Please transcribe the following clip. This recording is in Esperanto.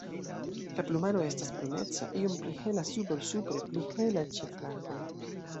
La plumaro estas bruneca, iom pli hela sube ol supre, pli hela ĉe flankoj.